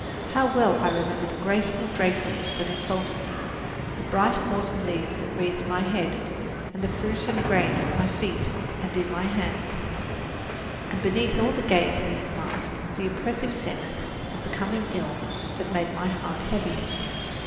How well I remember the graceful draperies that enfolded me, the bright autumn leaves that wreathed my head, and the fruit and grain at my feet and in my hands, and beneath all the piety of the masque the oppressive sense of coming ill that made my heart heavy.